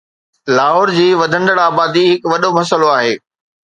لاهور جي وڌندڙ آبادي هڪ وڏو مسئلو آهي